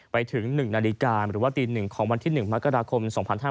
ไปถึง๑นาฬิกาหรือว่าตี๑ของวันที่๑มกราคม๒๕๕๙